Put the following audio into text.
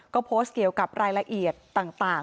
ก็โพสต์เกี่ยวกับรายละเอียดต่าง